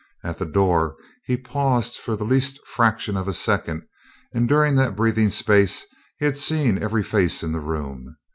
At the door he paused for the least fraction of a second, and during that breathing space he had seen every face in the room.